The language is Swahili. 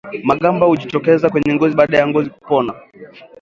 Magamba hujitokeza kwenye ngozi baada ya ngozi kupona